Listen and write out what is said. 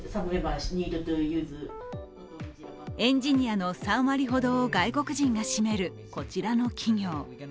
エンジニアの３割ほどを外国人が占めるこちらの企業。